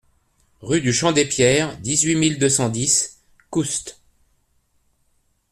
Rue du Champ des Pierres, dix-huit mille deux cent dix Coust